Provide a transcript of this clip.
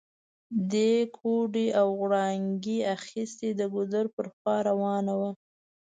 دې ګوډی او غړانګۍ اخيستي، د ګودر پر خوا روانه وه